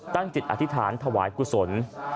จิตอธิษฐานถวายกุศล